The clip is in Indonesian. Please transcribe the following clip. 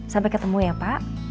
sampai ketemu ya pak